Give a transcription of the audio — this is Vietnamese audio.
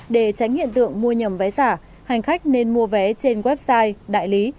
để tránh hiện tượng mua nhầm vé giả hành khách nên mua vé trên website đại lý